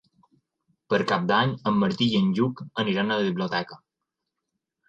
Per Cap d'Any en Martí i en Lluc aniran a la biblioteca.